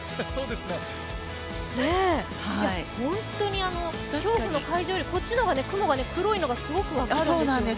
本当に、競歩の会場よりこっちの方が雲が黒いのがすごく分かるんですよね。